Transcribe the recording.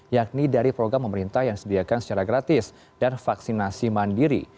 yakni dari program pemerintah yang disediakan secara gratis dan vaksinasi mandiri